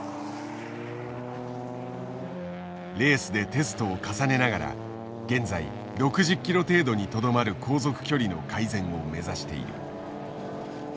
レースでテストを重ねながら現在６０ｋｍ程度にとどまる航続距離の改善を目指している。